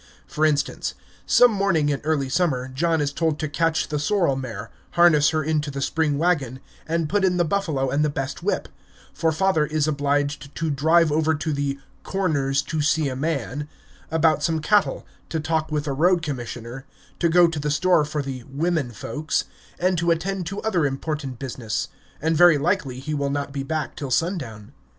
For instance, some morning in early summer John is told to catch the sorrel mare, harness her into the spring wagon, and put in the buffalo and the best whip, for father is obliged to drive over to the "Corners, to see a man" about some cattle, to talk with the road commissioner, to go to the store for the "women folks," and to attend to other important business; and very likely he will not be back till sundown.